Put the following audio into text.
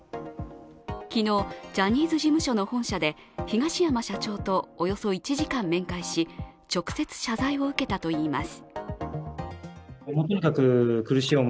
昨日、ジャニーズ事務所の本社で東山社長とおよそ１時間面会し、直接謝罪を受けたといいます。